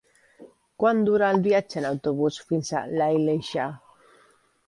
Quant dura el viatge en autobús fins a l'Aleixar?